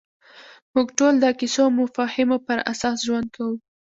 موږ ټول د کیسو او مفاهیمو پر اساس ژوند کوو.